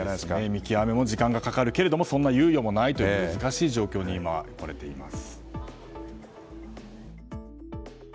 見極めも時間がかかるけれどそんな猶予もないという難しい状況に置かれています。